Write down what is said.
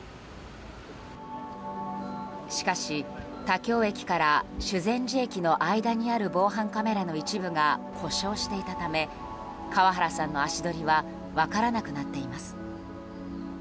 しかし田原駅から修善寺駅の間にある防犯カメラの一部が故障していたため川原さんの足取りは分からなくなっています。